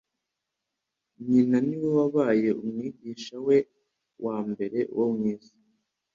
Nyina ni we wabaye umwigisha we wa mbere wo mu isi.